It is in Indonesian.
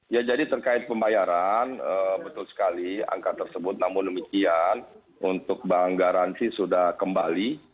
ya jadi terkait pembayaran betul sekali angka tersebut namun demikian untuk bank garansi sudah kembali